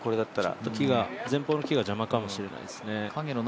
ちょっと前方の木が邪魔かもしれないですね。